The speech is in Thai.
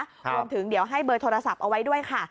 รวมถึงเดี๋ยวให้เบอร์โทรศัพท์เอาไว้ด้วยค่ะ